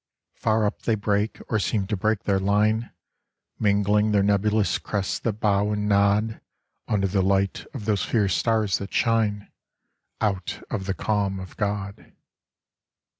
Far up they break or seem to break their line, Mingling their nebulous crests that bow and nod Under the light of those fierce stars that shine Out of the calm of God.